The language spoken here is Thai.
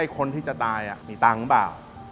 คนที่จะตายมีตังค์หรือเปล่า